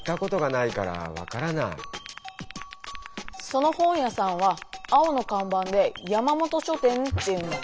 その本屋さんは青のかんばんで山本書店っていうんだ。